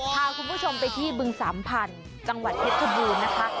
พาคุณผู้ชมไปที่บึงสามพันธุ์จังหวัดเพชรชบูรณ์นะคะ